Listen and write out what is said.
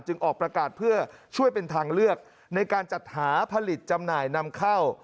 ออกประกาศเพื่อช่วยเป็นทางเลือกในการจัดหาผลิตจำหน่ายนำเข้า